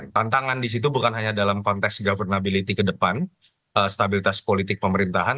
tantangan di situ bukan hanya dalam konteks governability ke depan stabilitas politik pemerintahan